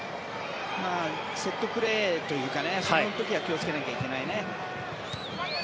セットプレーというかその時は気をつけなきゃいけないね。